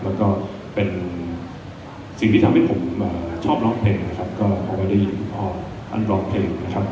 แล้วก็เป็นสิ่งที่ทำให้ผมชอบร้องเพลงนะครับก็พอได้ยินคุณพ่อท่านร้องเพลงนะครับ